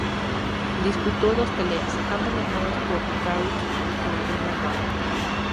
Disputó dos peleas, ambas ganadas por nocaut en el primer round.